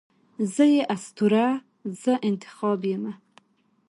زه یې اسطوره، زه انتخاب یمه